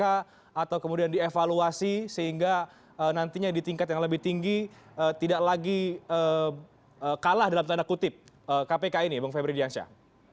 atau kemudian dievaluasi sehingga nantinya di tingkat yang lebih tinggi tidak lagi kalah dalam tanda kutip kpk ini bang febri diansyah